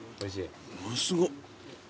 すごっ。